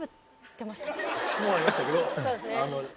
質問ありましたけど。